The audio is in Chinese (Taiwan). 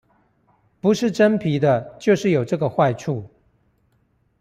不是真皮的就是有這個壞處！